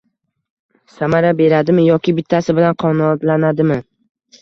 Samara beradimi yoki bittasi bilan qanoatlanadimi.